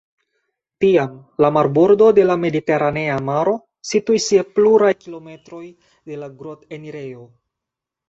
Tiam la marbordo de la Mediteranea maro situis je pluraj kilometroj de la grot-enirejo.